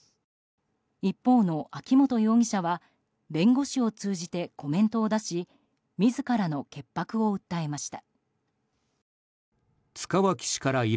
一方の秋本容疑者は弁護士を通じてコメントを出し自らの潔白を訴えました。